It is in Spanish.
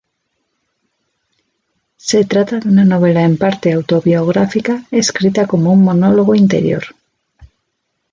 Se trata de una novela en parte autobiográfica escrita como un monólogo interior.